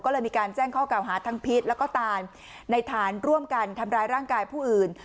ก็เลยมีการแจ้งข้อเก่าหาทั้งพีชแล้วก็ตานในฐานร่วมกันทำร้ายร่างกายผู้อื่น